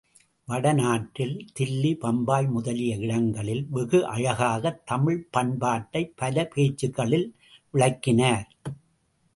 வட நாட்டில், தில்லி, பம்பாய் முதலிய இடங்களில் வெகு அழகாகத் தமிழ்ப் பண்பாட்டைப் பல பேச்சுக்களில் விளக்கினார்.